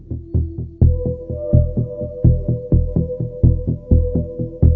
แต่ตอนตลอดมือความมีความเสี่ยงเพลิก